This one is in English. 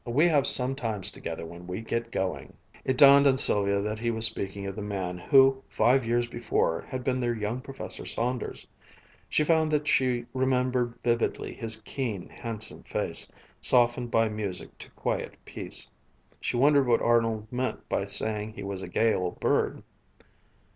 We have some times together when we get going!" It dawned on Sylvia that he was speaking of the man who, five years before, had been their young Professor Saunders. She found that she remembered vividly his keen, handsome face, softened by music to quiet peace. She wondered what Arnold meant by saying he was a gay old bird.